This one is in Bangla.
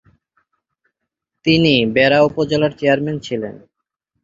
তিনি বেড়া উপজেলার চেয়ারম্যান ছিলেন।